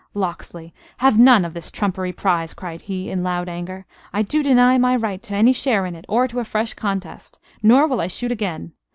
"Locksley, have none of this trumpery prize," cried he, in loud anger. "I do deny my right to any share in it, or to a fresh contest. Nor will I shoot again.